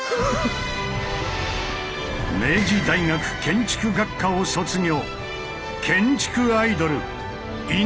明治大学建築学科を卒業。